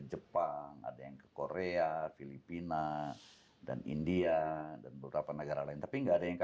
jepang ada yang ke korea filipina dan india dan beberapa negara lain tapi enggak ada yang